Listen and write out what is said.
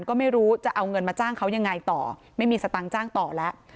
ก็ไม่รู้จะเอาเงินมาจ้างเขายังไงต่อไม่มีสตังค์จ้างต่อแล้ว